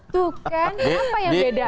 tuh kan ini apa yang beda